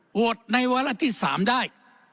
โหวดในวันอาทิตย์สามได้